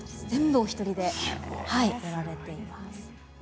全部お一人で、やられています。